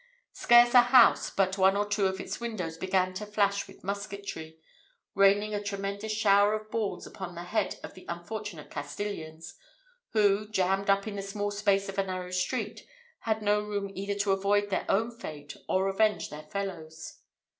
Scarce a house, but one or two of its windows began to flash with musketry, raining a tremendous shower of balls upon the heads of the unfortunate Castilians, who, jammed up in the small space of a narrow street, had no room either to avoid their own fate or avenge their fellows.